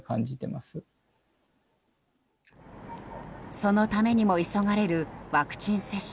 そのためにも急がれるワクチン接種。